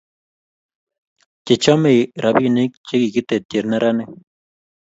Chechomei robinik che kikitetyi neranik